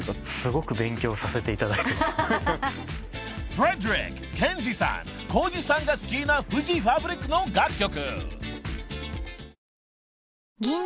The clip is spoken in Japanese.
［フレデリック健司さん康司さんが好きなフジファブリックの楽曲］